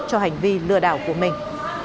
cho hành vi lừa đảo của mình